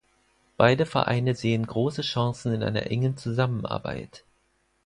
Beide Vereine sehen große Chancen in einer engen Zusammenarbeit.